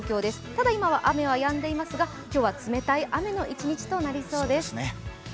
ただ、今は雨はやんでいますが今日は冷たい雨の一日となりそうです。